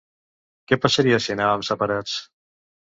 Què passaria si anaven separats?